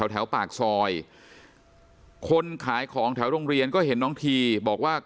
แถวปากซอยคนขายของแถวโรงเรียนก็เห็นน้องทีบอกว่า